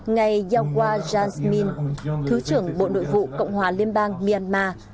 ngài yaqua jansmin thứ trưởng bộ nội vụ cộng hòa liên bang myanmar